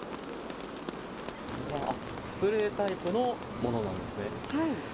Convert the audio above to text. スプレータイプのものなんですね。